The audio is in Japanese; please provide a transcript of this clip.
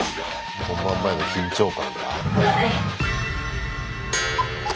本番前の緊張感か？